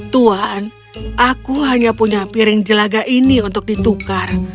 tuan aku hanya punya piring jelaga ini untuk ditukar